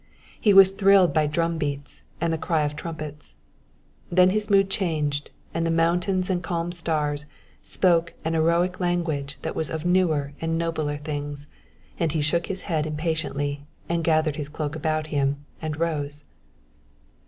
He was thrilled by drum beats and the cry of trumpets. Then his mood changed and the mountains and calm stars spoke an heroic language that was of newer and nobler things; and he shook his head impatiently and gathered his cloak about him and rose.